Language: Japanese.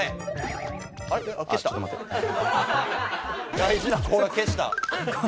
大事なこうら消した。